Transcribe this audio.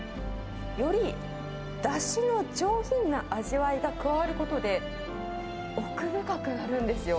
より、だしの上品な味わいが加わることで、奥深くなるんですよ。